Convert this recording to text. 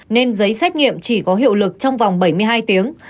nên giấy xét nghiệm chỉ có hiệu lực trong vòng bảy mươi hai tiếng